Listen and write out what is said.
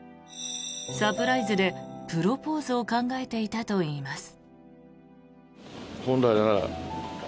サプライズでプロポーズを考えていたといいます。